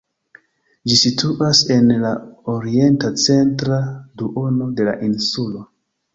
Ĝi situas en la orienta centra duono de la insulo.